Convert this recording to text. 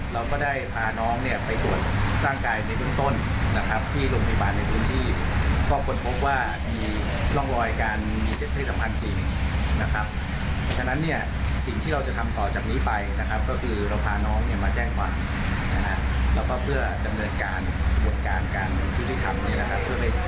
เราพร้อมบริเวณที่เราโดยลงพี่ปาลในต้นที่และการทราบสำคัญกัมพยาบาลมาจากนี่นะครับ